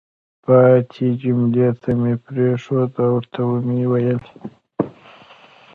پاتې جملې ته مې پرېنښود او ورته ومې ویل: